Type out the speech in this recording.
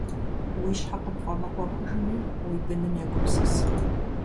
Уи щхьэ къыпфӀэмыӀуэхужми, уи быным егупсыс.